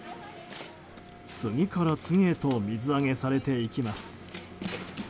次から次へと水揚げされていきます。